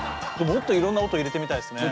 もっといろんな音入れてみたいですね。